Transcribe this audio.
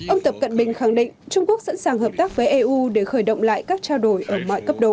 ông tập cận bình khẳng định trung quốc sẵn sàng hợp tác với eu để khởi động lại các trao đổi ở mọi cấp độ